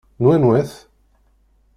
N wanwa-t?